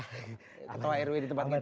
ketua rw di tempat kita